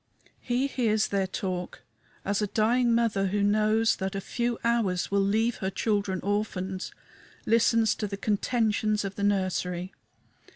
He hears their talk, as a dying mother, who knows that a few hours will leave her children orphans, listens to the contentions of the nursery.